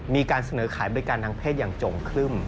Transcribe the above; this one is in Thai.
มีการเสนอขายบริการทางเพศอย่างจงครึ่ม